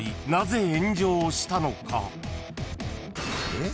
えっ？